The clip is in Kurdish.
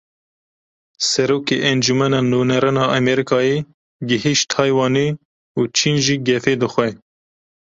Seroka Encûmena Nûneran a Amerîkayê gihîşt Taywanê û Çîn jî gefê dixwe.